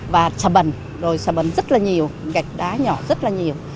và xà bần rồi xà bần rất là nhiều gạch đá nhỏ rất là nhiều